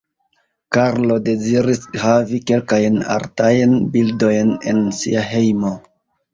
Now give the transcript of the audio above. Karlo deziris havi kelkajn artajn bildojn en sia hejmo.